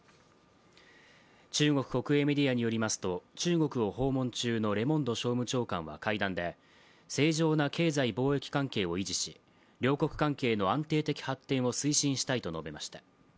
中国国営メディアによりますと中国を訪問中のレモンド商務長官は会談で正常な経済貿易関係を維持し、両国関係の安定期発展を推進したいと述べました。